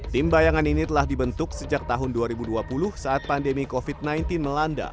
tim bayangan ini telah dibentuk sejak tahun dua ribu dua puluh saat pandemi covid sembilan belas melanda